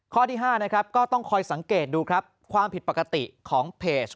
ข้อที่๕นะครับก็ต้องคอยสังเกตดูครับความผิดปกติของเพจ